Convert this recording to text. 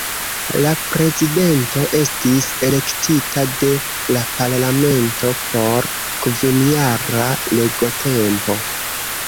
La Prezidento estis elektita de la Parlamento por kvinjara regotempo.